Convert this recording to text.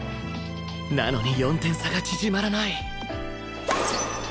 なのに４点差が縮まらない